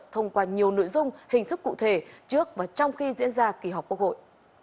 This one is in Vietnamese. thông qua nhiều nội dung hình thức cụ thể trước và trong khi diễn ra kỳ họp quốc hội